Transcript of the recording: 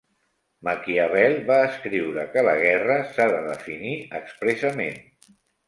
Maquiavel va escriure que la guerra s'ha de definir expressament.